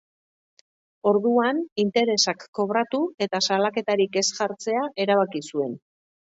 Orduan, interesak kobratu eta salaketarik ez jartzea erabaki zuen.